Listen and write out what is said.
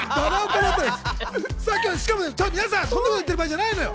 みなさん、そんなこと言ってる場合じゃないのよ。